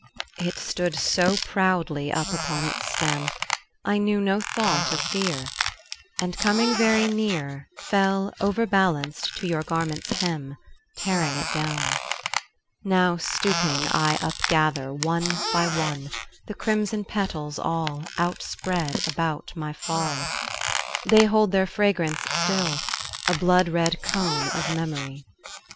It stood so proudly up upon its stem, I knew no thought of fear, And coming very near Fell, overbalanced, to your garment's hem, Tearing it down. Now, stooping, I upgather, one by one, The crimson petals, all Outspread about my fall. They hold their fragrance still, a blood red cone Of memory.